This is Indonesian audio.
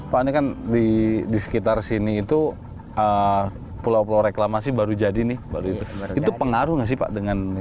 pak ini kan di sekitar sini itu pulau pulau reklamasi baru jadi nih itu pengaruh nggak sih pak dengan ini